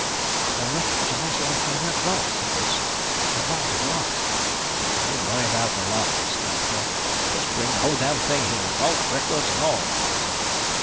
"The records are most likely in that vault," said Russ. "And the vault is locked." "Don't worry about the lock," snapped Greg. "Just bring the whole damn thing here vault and records and all."